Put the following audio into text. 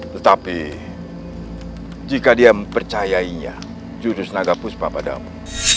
tetapi jika dia mempercayainya jurus naga puspa padamu